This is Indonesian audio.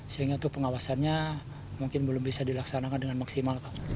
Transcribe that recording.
sehingga itu pengawasannya mungkin belum bisa dilaksanakan dengan maksimal